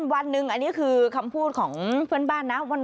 วันหนึ่งอันนี้คือคำพูดของเพื่อนบ้านนะ